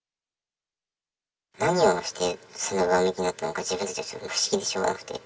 何をして上向きになったのか、自分たちは不思議でしょうがなくて。